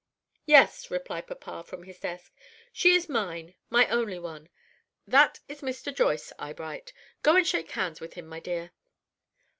"Yes," replied papa, from his desk; "she is mine my only one. That is Mr. Joyce, Eyebright. Go and shake hands with him, my dear."